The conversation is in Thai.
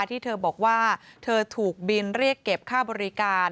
ที่เธอบอกว่าเธอถูกบินเรียกเก็บค่าบริการ